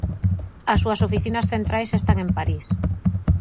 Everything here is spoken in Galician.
As súas oficinas centrais están en París.